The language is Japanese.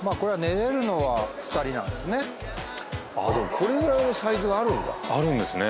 これぐらいのサイズがあるんだあるんですね